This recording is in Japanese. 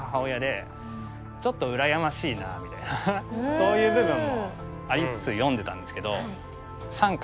そういう部分もありつつ読んでたんですけど。